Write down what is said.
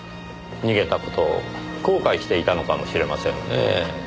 逃げた事を後悔していたのかもしれませんねぇ。